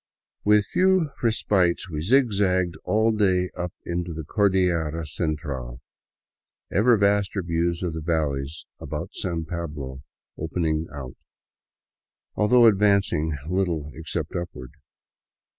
With few respites we zigzagged all day up into the Cordillera Central, ever vaster views of the valleys about San Pablo opening out, though ad vancing little except upward.